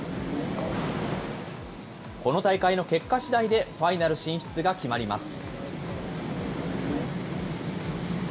この大会の結果しだいでファイナル進出が決まります。